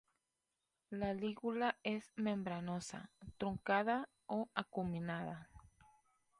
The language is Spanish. La lígula es membranosa, truncada o acuminada.